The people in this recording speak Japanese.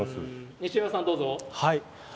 西山さん、どうぞ。